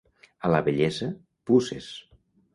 A la vellesa, puces.